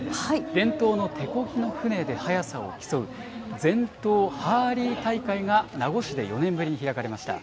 伝統の手こぎの船で速さを競う、全島ハーリー大会が名護市で４年ぶりに開かれました。